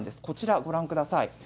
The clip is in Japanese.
こちらを、ご覧ください。